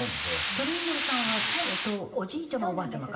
トリンドルさんはおじいちゃまおばあちゃまか。